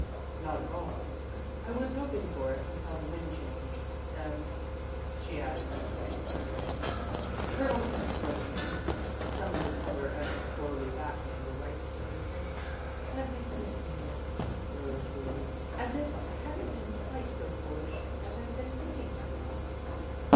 "Not at all. I was hoping for it, until the wind changed. And," she added, with her face turned away, "Colonel Kent was, too." Some of the colour ebbed slowly back into the white, stricken face. "That makes me feel," Rose breathed, "as if I hadn't been quite so foolish as I've been thinking I was."